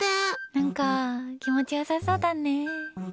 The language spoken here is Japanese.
何か、気持ち良さそうだね。